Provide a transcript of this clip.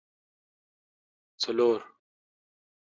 It was frightening, he told his wife.